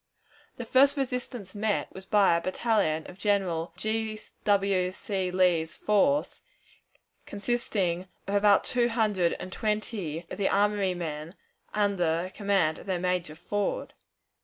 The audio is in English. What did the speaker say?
The first resistance met was by a battalion of General G. W. C. Lee's force, consisting of about two hundred and twenty of the armory men, under command of their major, Ford.